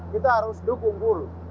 kita harus dukung puluh